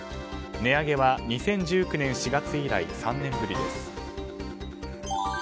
値上げは２０１９年４月以来３年ぶりです。